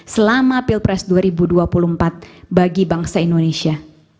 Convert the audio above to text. selama pilpres dua ribu dua puluh empat bagi bangsa indonesia